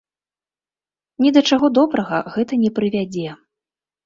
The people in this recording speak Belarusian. Ні да чаго добрага гэта не прывядзе.